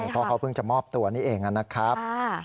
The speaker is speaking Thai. เพราะเขาเพิ่งจะมอบตัวนี่เองนะครับ